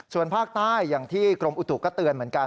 ส่วนภาคใต้อย่างที่กรมอุตุก็เตือนเหมือนกัน